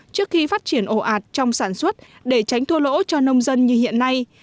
trước khi phát triển ồ ạt trong sản xuất để tránh thua lỗ cho nông dân như hiện nay